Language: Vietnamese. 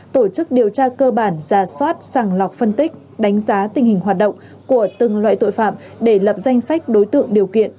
tổ chức điều tra cơ bản giả soát sàng lọc phân tích đánh giá tình hình hoạt động của từng loại tội phạm để lập danh sách đối tượng điều kiện